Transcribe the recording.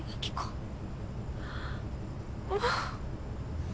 もう。